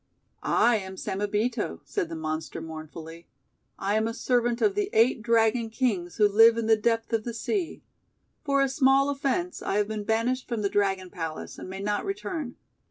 :<I am Samebito," said the monster mourn fully. "I am a servant of the Eight Dragon Kings who live in the depth of the sea. For a small offence I have been banished from the Dragon Palace, and may not return.